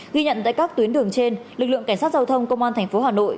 ghi nhận tại các tuyến đường trên lực lượng cảnh sát giao thông công an tp hà nội